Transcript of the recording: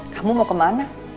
kamu mau kemana